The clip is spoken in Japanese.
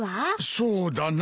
そうだな。